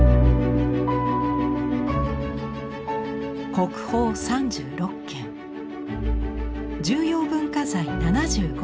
国宝３６件重要文化財７５件。